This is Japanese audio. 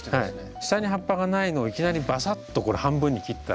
下に葉っぱがないのをいきなりバサッとこれ半分に切ったら。